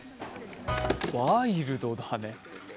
ワイルドだね。